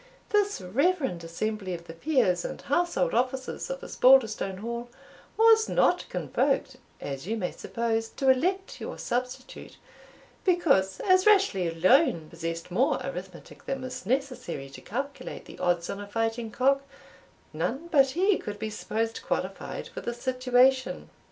This reverend assembly of the peers and household officers of Osbaldistone Hall was not convoked, as you may suppose, to elect your substitute, because, as Rashleigh alone possessed more arithmetic than was necessary to calculate the odds on a fighting cock, none but he could be supposed qualified for the situation.